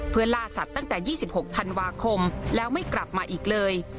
เพื่อล่าสัตว์ตั้งแต่๒๖ธันวาคมแล้วไม่กลับมาอีกเลย